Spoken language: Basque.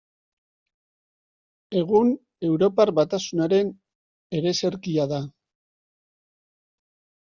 Egun, Europar Batasunaren ereserkia da.